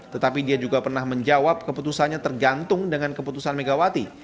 tetapi dia juga pernah menjawab keputusannya tergantung dengan keputusan megawati